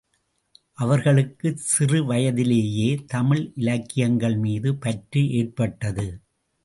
அவர்களுக்கு சிறு வயதிலேயே தமிழ் இலக்கியங்கள் மீது பற்று ஏற்பட்டது.